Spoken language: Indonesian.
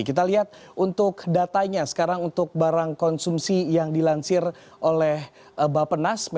kita lihat untuk datanya sekarang untuk barang konsumsi yang dilansir oleh bapak nas